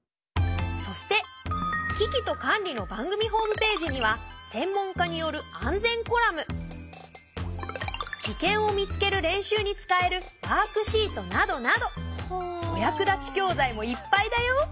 そして「キキとカンリ」の番組ホームページにはキケンを見つける練習に使えるワークシートなどなどお役立ち教材もいっぱいだよ。